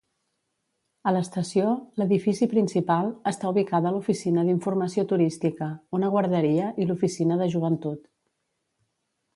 A l'estació, l'edifici principal, està ubicada l'oficina d'informació turística, una guarderia i l'oficina de Joventut.